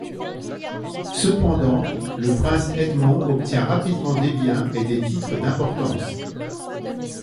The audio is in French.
Cependant, le prince Edmond obtient rapidement des biens et des titres d'importance.